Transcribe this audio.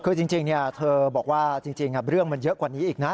คือจริงเธอบอกว่าจริงเรื่องมันเยอะกว่านี้อีกนะ